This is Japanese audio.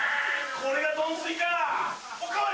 これがドン水か、お代わり！